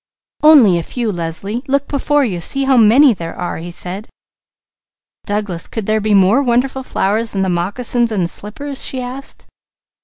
"Only a few, Leslie. Look before you! See how many there are!" he said. "Douglas, could there be more wonderful flowers than the moccasins and slippers?" she asked.